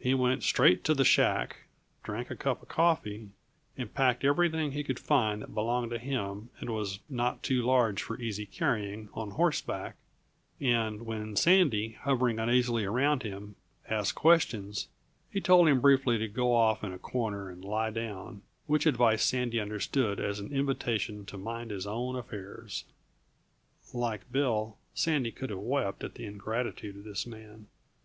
He went straight to the shack, drank a cup of coffee, and packed everything he could find that belonged to him and was not too large for easy carrying on horseback; and when Sandy, hovering uneasily around him, asked questions, he told him briefly to go off in a corner and lie down; which advice Sandy understood as an invitation to mind his own affairs. Like Bill, Sandy could have wept at the ingratitude of this man.